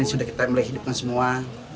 sudah kita melahidupkan semua